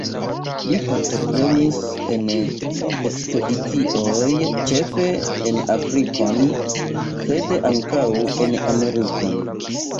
Li partoprenis en ekspedicioj, ĉefe en Afrikon, sed ankaŭ en Amerikon.